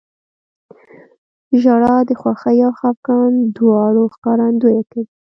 • ژړا د خوښۍ او خفګان دواړو ښکارندویي کوي.